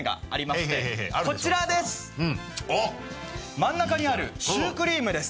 真ん中にあるシュークリームです